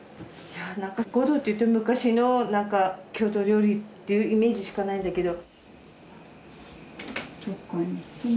ごどっていうと昔の何か郷土料理っていうイメージしかないんだけど。